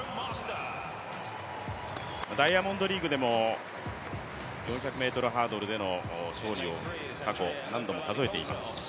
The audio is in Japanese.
ダイヤモンドリーグでも４００ｍハードルでの勝利を、過去何度も数えています。